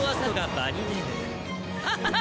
ハハハ